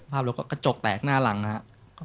สภาพรถก็กระจกแตกหน้าหลังครับ